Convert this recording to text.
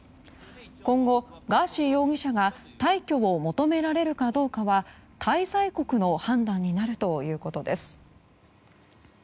今後、ガーシー容疑者が退去を求められるかどうかは滞在国の判断になるということです。